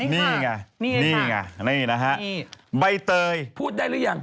นี่ไงนี่ไงนี่นะฮะใบเตยพูดได้หรือยัง